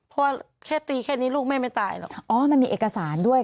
เพราะว่าแค่ตีแค่นี้ลูกแม่ไม่ตายหรอกค่ะอ๋อมันมีเอกสารด้วย